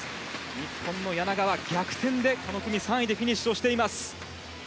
日本の柳川、逆転でこの組３位でフィニッシュしています。